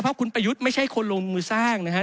เพราะคุณประยุทธ์ไม่ใช่คนลงมือสร้างนะครับ